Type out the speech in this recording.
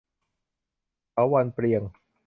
เถาวัลย์เปรียง